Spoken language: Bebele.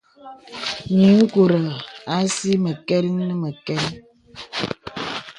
Nyiŋkùrə asì məkɛl nə məkɛl.